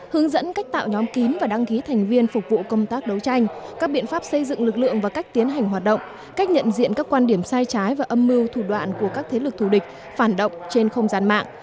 hướng dẫn cách tạo nhóm kín và đăng ký thành viên phục vụ công tác đấu tranh các biện pháp xây dựng lực lượng và cách tiến hành hoạt động cách nhận diện các quan điểm sai trái và âm mưu thủ đoạn của các thế lực thù địch phản động trên không gian mạng